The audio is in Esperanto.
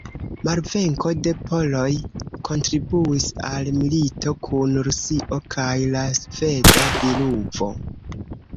Malvenko de poloj kontribuis al milito kun Rusio kaj la sveda diluvo.